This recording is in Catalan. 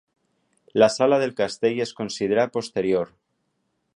La sala del castell es considera posterior.